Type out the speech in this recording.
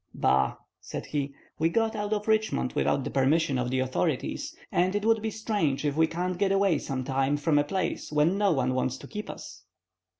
"Bah!" said he, "we got out of Richmond without the permission of the authorities, and it will be strange if we can't get away some time from a place where no one wants to keep us!"